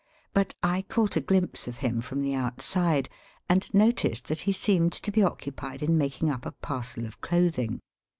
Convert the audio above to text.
But I caught a ghmpse of him from the outside, and noticed that he seemed to be occupied in making up a parcel of clothing.